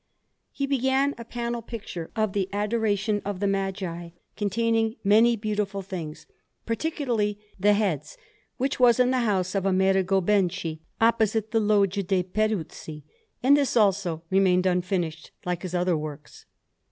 He began a panel picture of the Adoration of the Magi, containing many beautiful things, particularly the heads, which was in the house of Amerigo Benci, opposite the Loggia de' Peruzzi; and this, also, remained unfinished, like his other works.